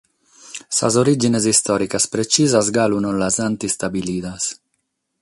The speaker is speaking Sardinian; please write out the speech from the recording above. Sas orìgines istòricas pretzisas galu non las ant istabilidas.